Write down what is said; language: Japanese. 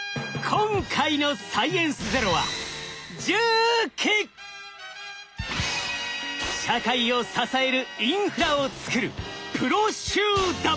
今回の「サイエンスＺＥＲＯ」は社会を支えるインフラを作るプロ集団。